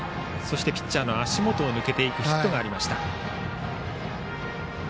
ピッチャーの足元を抜けていくヒットもありました。